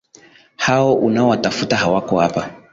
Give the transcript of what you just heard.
Hao unaowatafuta hawako hapa